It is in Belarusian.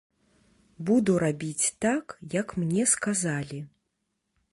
Буду рабіць так, як мне сказалі.